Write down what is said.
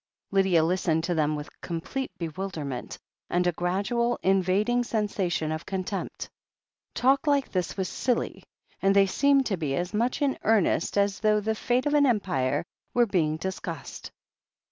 Lydia listened to them with complete bewilderment, and a gradual, invading sensation of contempt. Talk like this was silly, and they seemed to be as much in earnest as though the fate of an empire were being discussed.